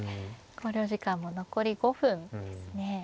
考慮時間も残り５分ですね。